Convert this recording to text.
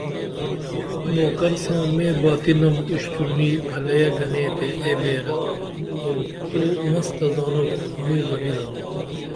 نوکر ساں مے باتینم اُشترونی پھلئی گنے تے اے بیرہ اُو تو مستہ زانوپ موں بہ نی زانوپ